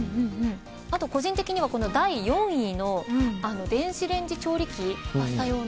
個人的には第４位の電子レンジ調理器パスタ用の。